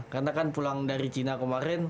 karena kan pulang dari cina kemarin